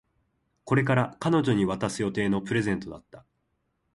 これから彼女に渡す予定のプレゼントだった